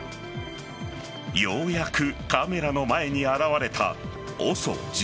ようやくカメラの前に現れたＯＳＯ１８。